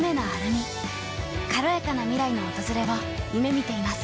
軽やかな未来の訪れを夢みています。